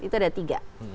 itu ada tiga